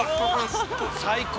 最高！